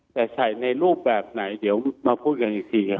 แต่ใส่ในรูปแบบไหนเดี๋ยวมาพูดกันอีกทีครับ